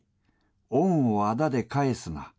恩をあだで返すな。